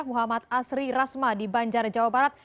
muhammad asri rasma di banjar jawa barat